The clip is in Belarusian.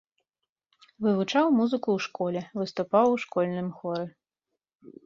Вывучаў музыку ў школе, выступаў у школьным хоры.